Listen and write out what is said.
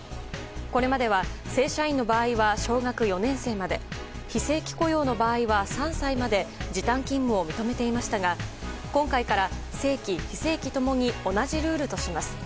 これまでは正社員の場合は小学４年生まで非正規雇用の場合は３歳まで時短勤務を認めていましたが今回から正規・非正規共に同じルールとします。